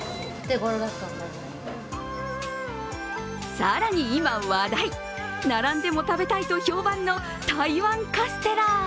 更に今、話題、並んでも食べたいと評判の台湾カステラ。